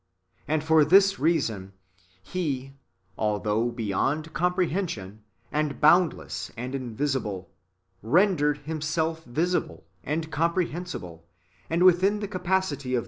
And for this reason. He, [although] beyond compre hension, and boundless and invisible, rendered Himself visible, and comprehensible, and within the capacity of those » Luke i.